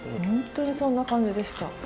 本当にそんな感じでした。